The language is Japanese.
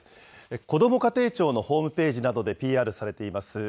こども家庭庁のホームページなどでＰＲされています、